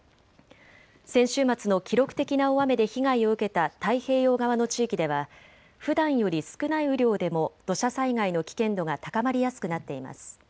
先週末の記録的な大雨で被害を受けた太平洋側の地域ではふだんより少ない雨量でも土砂災害の危険度が高まりやすくなっています。